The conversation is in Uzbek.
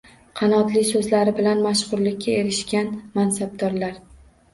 “Qanotli” so‘zlari bilan mashhurlikka erishgan mansabdorlar